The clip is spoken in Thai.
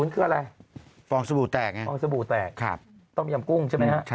๔๐คืออะไรฟองสบู่แตกฟองสบู่แตกต้องมียำกุ้งใช่ไหมครับ